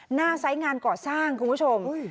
หน้าไซส์งานก่อสร้างคุณผู้ชม